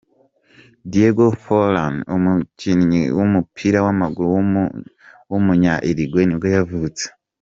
Diego Forlán, umukinnyi w’umupira w’amaguru w’umunya-Uruguay nibwo yavutse.